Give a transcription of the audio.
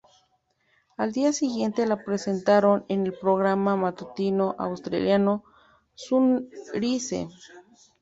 Al día siguiente, la presentaron en el programa matutino australiano "Sunrise".